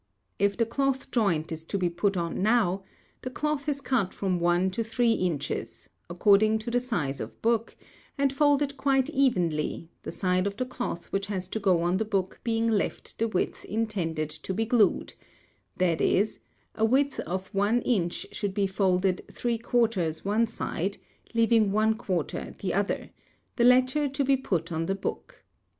If the cloth joint is to be put on now, the cloth is cut from 1 to 3 inches, according to the size of book, and folded quite evenly, the side of the cloth which has to go on the book being left the width intended to be glued; that is, a width of 1 inch should be folded 3/4 one side, leaving 1/4 the other, the latter to be put on the book.